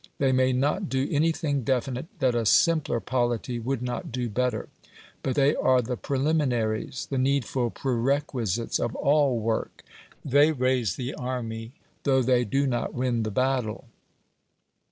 They may not do anything definite that a simpler polity would not do better; but they are the preliminaries, the needful prerequisites of ALL work. They raise the army, though they do not win the battle.